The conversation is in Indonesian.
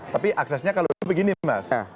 tapi aksesnya kalau begini mas